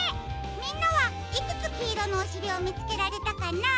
みんなはいくつきいろのおしりをみつけられたかな？